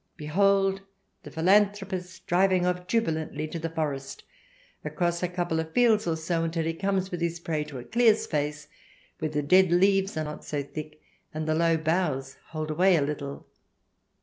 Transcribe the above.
Behold the philanthropist driving off jubilantly to the forest, across a couple of fields or so, until he comes with his prey to a clear space where the dead leaves are not so thick, and the low boughs hold away a little.